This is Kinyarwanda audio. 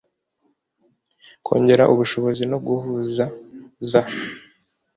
kongerera ubushobozi no guhuza za